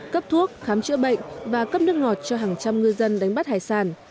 cấp thuốc khám chữa bệnh và cấp nước ngọt cho hàng trăm ngư dân đánh bắt hải sản